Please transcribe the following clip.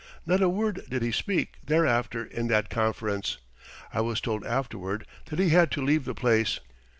Not a word did he speak thereafter in that conference. I was told afterward that he had to leave the place.